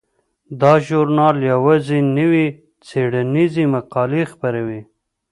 دا ژورنال یوازې نوې څیړنیزې مقالې خپروي.